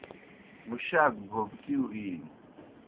مُشاک بھوکِیؤ اِینوْ۔